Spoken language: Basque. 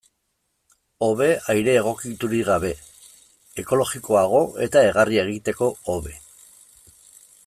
Hobe aire egokiturik gabe, ekologikoago eta egarria egiteko hobe.